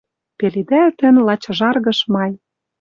Пеледӓлтӹн, лач ыжаргыш май.